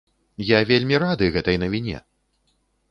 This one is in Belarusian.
Я вельмі рады гэтай навіне!